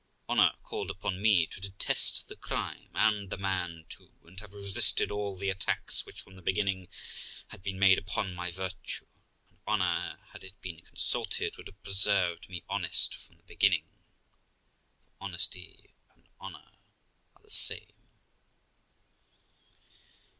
Honour called upon me to detest the crime and the man too, and to have resisted all the attacks, which, from the beginning, had been made upon my virtue ; and honour, had it been consulted, would have preserved me honest from the beginning: For 'honesty* and 'honour' are the same.